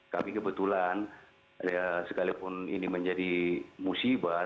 kami kebetulan sekalipun ini menjadi musibah